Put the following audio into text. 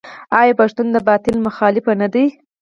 آیا پښتون د باطل مخالف نه دی؟